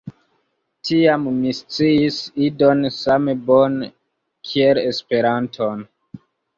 Tiam mi sciis Idon same bone kiel Esperanton.